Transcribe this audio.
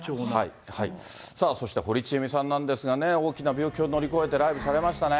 さあそして堀ちえみさんなんですけれどもね、大きな病気を乗り越えてライブされましたね。